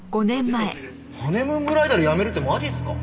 ハネムーンブライダル辞めるってマジっすか？